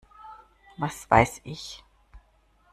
Was weiß ich!